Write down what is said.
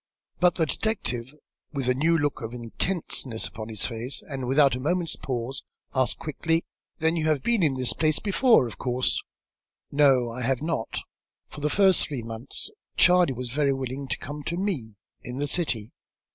But the detective, with a new look of intentness upon his face, and without a moment's pause, asked quickly. "Then you have been in this place before, of course?" "No, I have not. For the first three months Charley was very willing to come to me, in the city.